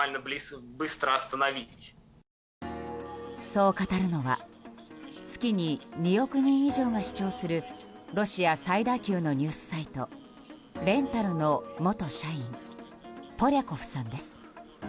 そう語るのは月に２億人以上が視聴するロシア最大級のニュースサイトＬｅｎｔａ．ｒｕの元社員ポリャコフさんです。